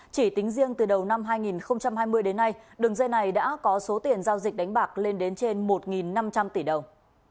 chỉ tính riêng từ đầu năm hai nghìn hai mươi đến nay đường dây này đã có số tiền giao dịch đánh bạc lên đến trên một năm trăm linh tỷ đồng